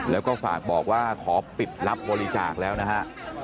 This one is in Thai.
แล้วก็ฝากบอกว่าขอปิดรับบริจาคแล้วนะฮะ